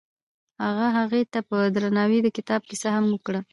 هغه هغې ته په درناوي د کتاب کیسه هم وکړه.